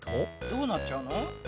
どうなっちゃうの？